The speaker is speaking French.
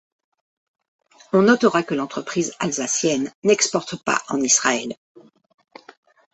On notera que l'entreprise alsacienne n'exporte pas en Israël.